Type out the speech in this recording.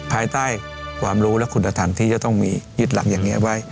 ภายใต้ความรู้และคุณธรรมที่จะต้องมียึดหลักอย่างนี้ไว้